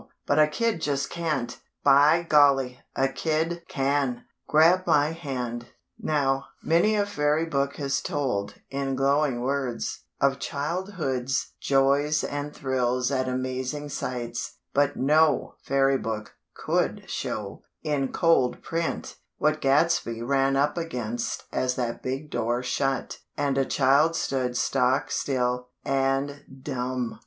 But a kid just can't " "By golly! A kid can! Grab my hand." Now, many a fairy book has told, in glowing words, of childhood's joys and thrills at amazing sights; but no fairy book could show, in cold print, what Gadsby ran up against as that big door shut, and a child stood stock still and _dumb!